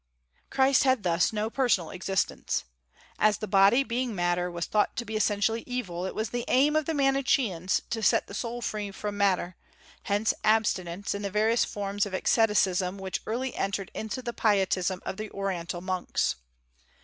Christ had thus no personal existence. As the body, being matter, was thought to be essentially evil, it was the aim of the Manicheans to set the soul free from matter; hence abstinence, and the various forms of asceticism which early entered into the pietism of the Oriental monks.